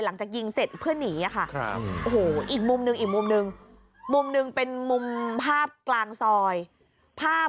หลังจากยิงเสร็จเพื่อหนีอะค่ะ